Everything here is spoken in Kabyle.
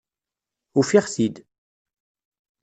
Ufiɣ-t-id.